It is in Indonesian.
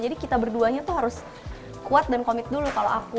jadi kita berduanya tuh harus kuat dan komik dulu kalau aku